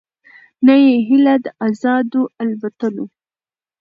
نه یې هیله د آزادو الوتلو